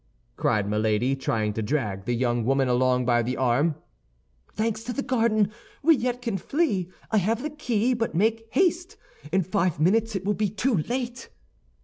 cried Milady, trying to drag the young woman along by the arm. "Thanks to the garden, we yet can flee; I have the key, but make haste! in five minutes it will be too late!"